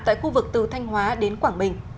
tại khu vực từ thanh hóa đến quảng bình